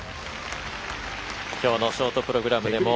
今日のショートプログラムでも